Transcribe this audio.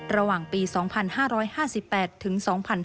ระหว่างปี๒๕๕๘ถึง๒๕๕๙